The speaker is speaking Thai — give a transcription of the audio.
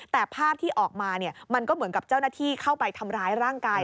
แต่ภาพที่ออกมามันก็เหมือนกับเจ้าหน้าที่เข้าไปทำร้ายร่างกาย